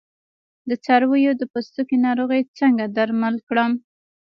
د څارویو د پوستکي ناروغۍ څنګه درمل کړم؟